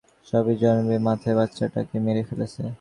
সবাই জনবে তার স্বামী রাগের মাথায় বাচ্চা টা কে মেরে ফেলেছে।